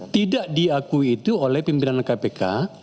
tidak diakui itu oleh pimpinan kpk